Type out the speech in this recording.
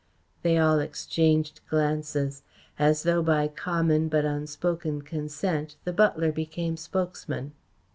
They all exchanged glances. As though by common but unspoken consent the butler became spokesman.